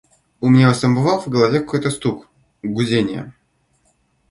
У меня у самого в голове какой-то стук, гудение.